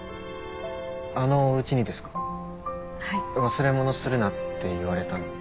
「忘れ物するな」って言われたのに。